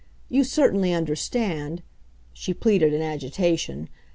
You certainly understand," she pleaded in agitation.